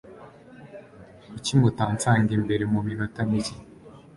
Kuki mutansanga imbere muminota mike?